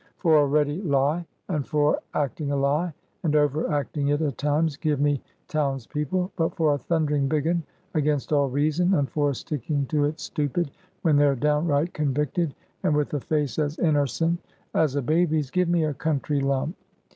For a ready lie, and for acting a lie, and over acting it at times, give me townspeople; but for a thundering big un, against all reason, and for sticking to it stupid when they're downright convicted, and with a face as innercent as a baby's, give me a country lump.